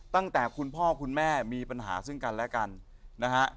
ตั้งแต่คุณพ่อคุณแม่มีปัญหาซึ่งกันและกันนะฮะ